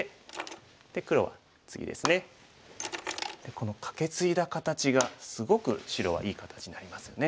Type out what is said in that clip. このカケツイだ形がすごく白はいい形になりますよね。